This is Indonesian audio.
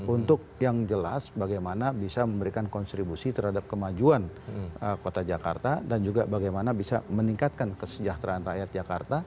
untuk yang jelas bagaimana bisa memberikan kontribusi terhadap kemajuan kota jakarta dan juga bagaimana bisa meningkatkan kesejahteraan rakyat jakarta